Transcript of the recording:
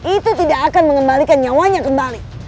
itu tidak akan mengembalikan nyawanya kembali